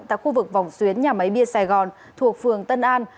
tại khu vực vòng xuyến nhà máy bia sài gòn thuộc phường tân an